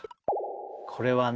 これはね。